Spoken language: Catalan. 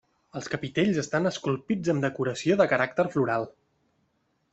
Els capitells estan esculpits amb decoració de caràcter floral.